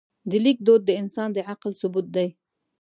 د لیک دود د انسان د عقل ثبوت دی.